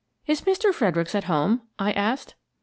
" Is Mr. Fredericks at home? " I asked.